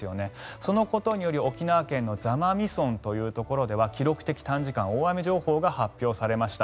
そのことにより沖縄県の座間味村では記録的短時間大雨情報が発表されました。